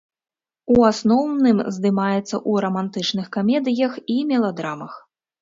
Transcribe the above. У асноўным здымаецца ў рамантычных камедыях і меладрамах.